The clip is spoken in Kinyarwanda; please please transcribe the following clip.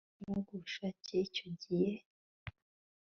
mwongerere imbaraga ubushake icyogihe